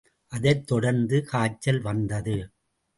அதைத் தொடர்ந்து காய்ச்சல் வந்தது.